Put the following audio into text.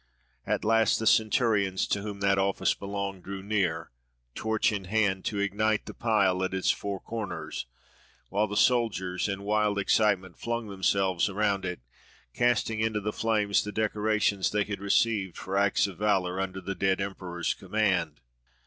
At last the Centurions to whom that office belonged, drew near, torch in hand, to ignite the pile at its four corners, while the soldiers, in wild excitement, flung themselves around it, casting into the flames the decorations they had received for acts of valour under the dead emperor's command.